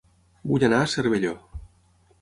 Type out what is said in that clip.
Vull anar a Cervelló